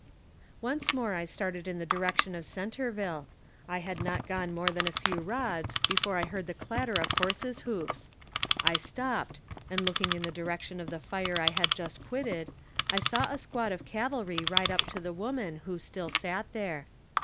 Once more I started in the direction of Centerville. I had not gone more than a few rods before I heard the clatter of horses' hoofs. I stopped, and looking in the direction of the fire I had just quitted, I saw a squad of cavalry ride up to the woman who still sat there.